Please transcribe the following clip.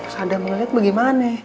sadam ngeliat bagaimana ya